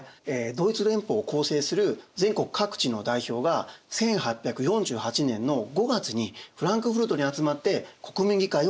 ドイツ連邦を構成する全国各地の代表が１８４８年の５月にフランクフルトに集まって国民議会を開きました。